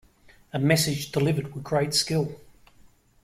A message delivered with great skill.